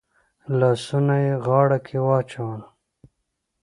لاسونه يې غاړه کې واچول.